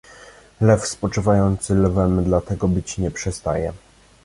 "Lew spoczywający lwem dla tego być nie przestaje."